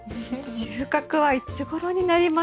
収穫はいつごろになりますかね？